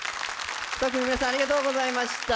ｔｋｉｎｇｚの皆さんありがとうございました。